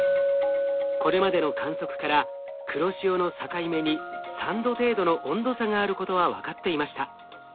これまでの観測から黒潮の境目に３℃程度の温度差があることは分かっていました。